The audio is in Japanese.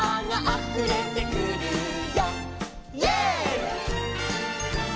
「あふれてくるよ」